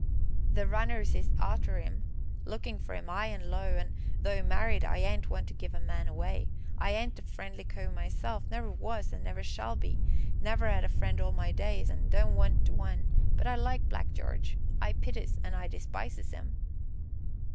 "The runners is arter 'im lookin' for 'im 'igh an' low, an' though married, I ain't one to give a man away. I ain't a friendly cove myself, never was, an' never shall be never 'ad a friend all my days, an' don't want one but I likes Black Jarge I pities, an' I despises 'im."